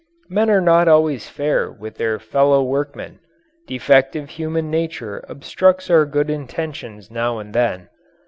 Men are not always fair with their fellow workmen. Defective human nature obstructs our good intentions now and then.